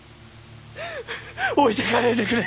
置いてがねぇでくれ！